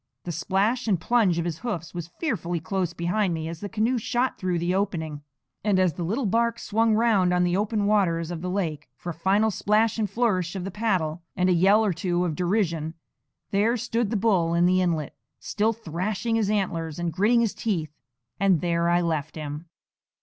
The splash and plunge of hoofs was fearfully close behind me as the canoe shot through the opening; and as the little bark swung round on the open waters of the lake, for a final splash and flourish of the paddle, and a yell or two of derision, there stood the bull in the inlet, still thrashing his antlers and gritting his teeth; and there I left him.